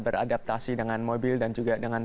beradaptasi dengan mobil dan juga dengan